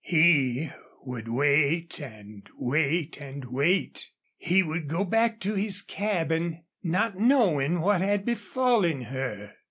He would wait and wait and wait. He would go back to his cabin, not knowing what had befallen her.